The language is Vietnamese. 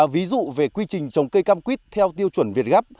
ví dụ về quy trình trồng cây cam quýt theo tiêu chuẩn việt gáp